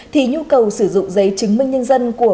thì nhu cầu sử dụng giấy chứng minh nhân dân của